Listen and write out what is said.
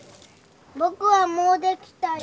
僕はもうできたよ。